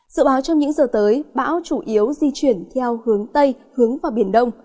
dự báo trong những giờ tới bão chủ yếu di chuyển theo hướng tây hướng vào biển đông